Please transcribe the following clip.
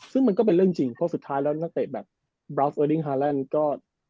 ซึ่งมันก็เป็นเรื่องจริงเพราะสุดท้ายแล้วนักเตะแบบบราฟเวอร์ดิ้งฮาแลนด์ก็